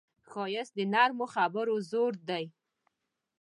ښایست د نرمو خبرو زور دی